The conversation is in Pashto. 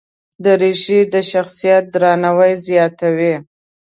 دریشي د شخصیت درناوی زیاتوي.